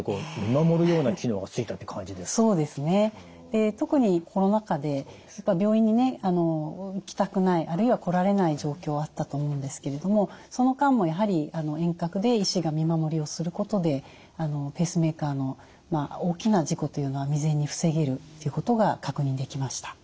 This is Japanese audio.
で特にコロナ禍でやっぱり病院にね来たくないあるいは来られない状況あったと思うんですけれどもその間もやはり遠隔で医師が見守りをすることでペースメーカーの大きな事故というのは未然に防げるということが確認できました。